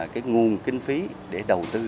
cái nguồn kinh phí để đầu tư